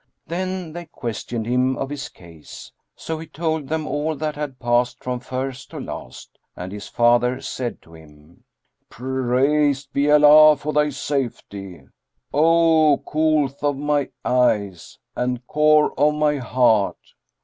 Then they questioned him of his case; so he told them all that had passed from first to last, and his father said to him, "Praised be Allah for thy safety, O coolth of my eyes and core of my heart!"